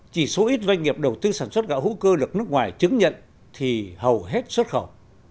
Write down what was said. chỉ số ít doanh nghiệp đầu tư sản xuất gạo hữu cơ được nước ngoài chứng nhận thì hầu hết xuất khẩu